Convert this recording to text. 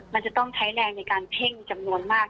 มันจะต้องใช้แรงในการเพ่งจำนวนมาก